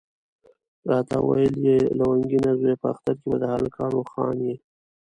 راته ویل یې لونګینه زویه په اختر کې به د هلکانو خان یې.